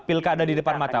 pilk ada di depan mata